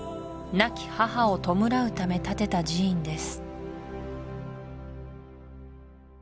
亡き母を弔うため建てた寺院です